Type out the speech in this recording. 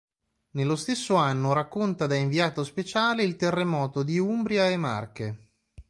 Nello stesso anno racconta da inviato speciale il terremoto di Umbria e Marche.